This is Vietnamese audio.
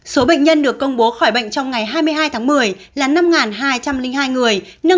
số bệnh nhân được công bố khỏi bệnh trong ngày hai mươi hai tháng một mươi là năm hai trăm linh hai người